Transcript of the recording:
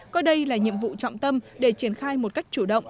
coi đây là nhiệm vụ trọng tâm để triển khai một cách chủ động